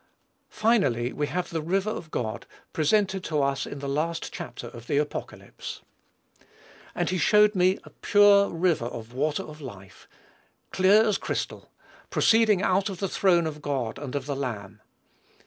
Finally, we have the river of God, presented to us in the last chapter of the Apocalypse. "And he showed me a pure river of water of life, clear as crystal, proceeding out of the throne of God and of the Lamb."